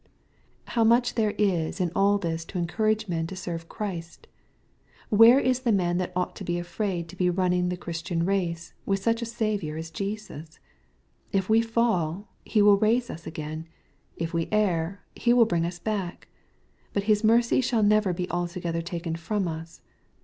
How much there is in all this to encourage men to serve Christ ! Where is the man that ought to be afraid to begin running the Christian race, with such a Saviour as Jesus ? If we fall. He will raise us again. If we err. He will bring us back. But His mercy shall never be altogether taken from us.